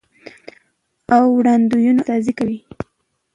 او وړاندوينو استازي کوي،